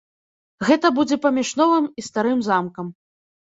Гэта будзе паміж новым і старым замкам.